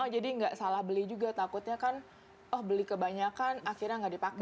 jadi gak salah beli juga takutnya kan oh beli kebanyakan akhirnya gak dipakai